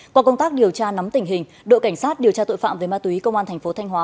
qua công tác điều tra nắm tình hình đội cảnh sát điều tra tội phạm về ma túy công an thành phố thanh hóa